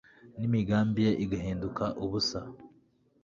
n'imigambi ye igahinduak ubusa